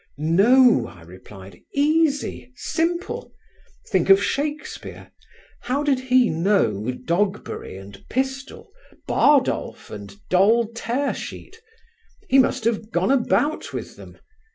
"No," I replied, "easy, simple. Think of Shakespeare. How did he know Dogberry and Pistol, Bardolph and Doll Tearsheet? He must have gone about with them.